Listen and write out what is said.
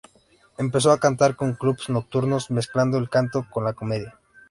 Empezó a cantar en clubes nocturnos, mezclando el canto con la comedia.